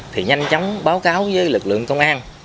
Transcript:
thì nhanh chóng báo cáo với lực lượng công an